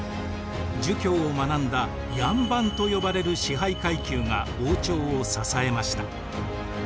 儒教を学んだ両班と呼ばれる支配階級が王朝を支えました。